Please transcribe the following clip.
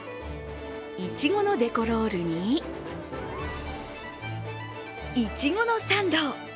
いちごのデコロールにいちごのサンド！